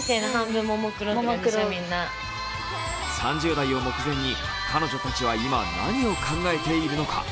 ３０代を目前に彼女たちは今、何を考えているのか。